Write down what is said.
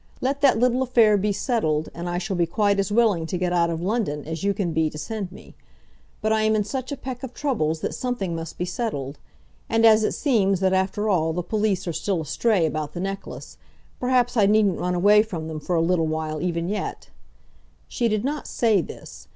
Let that little affair be settled, and I shall be quite as willing to get out of London as you can be to send me. But I am in such a peck of troubles that something must be settled. And as it seems that after all the police are still astray about the necklace, perhaps I needn't run away from them for a little while even yet. She did not say this.